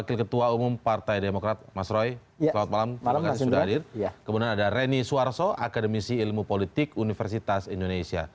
kemudian ada reni suarso akademisi ilmu politik universitas indonesia